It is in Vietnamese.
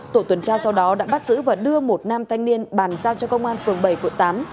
tổ tuần tra sau đó đã bắt giữ và đưa một nam thanh niên bàn giao cho công an phường bảy quận tám